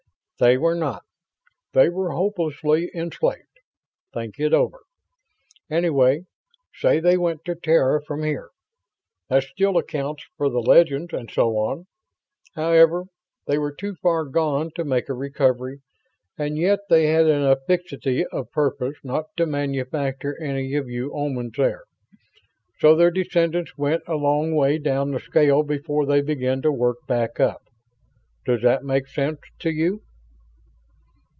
"They were not! They were hopelessly enslaved. Think it over. Anyway, say they went to Terra from here. That still accounts for the legends and so on. However, they were too far gone to make a recovery, and yet they had enough fixity of purpose not to manufacture any of you Omans there. So their descendants went a long way down the scale before they began to work back up. Does that make sense to you?"